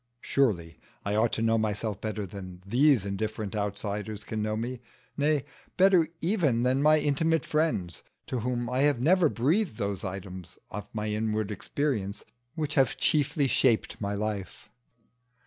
Surely I ought to know myself better than these indifferent outsiders can know me; nay, better even than my intimate friends, to whom I have never breathed those items of my inward experience which have chiefly shaped my life.